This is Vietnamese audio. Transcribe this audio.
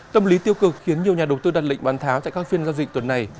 tâm lý tiêu cực khiến nhiều nhà đầu tư đặt lệnh bán tháo tại các phiên giao dịch tuần này